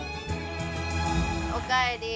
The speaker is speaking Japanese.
おかえり。